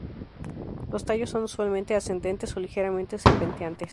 Los tallos son usualmente ascendentes o ligeramente serpenteantes.